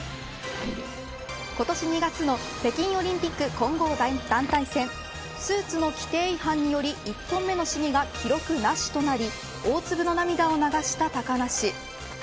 今年２月の北京オリンピック混合団体戦スーツの規定違反により１本目の試技が記録なしとなり大粒の涙を流した高梨。